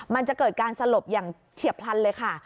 มันจะเกิดการสลบอย่างเฉียบพลันเลยค่ะ